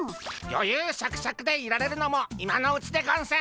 よゆうしゃくしゃくでいられるのも今のうちでゴンス！